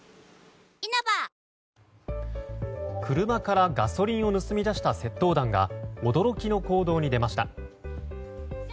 車からガソリンを盗み出した窃盗団が驚きの行動に出ました。